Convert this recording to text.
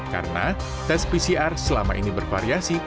karena tes pcr selama ini bervariasi